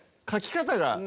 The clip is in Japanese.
書き方が。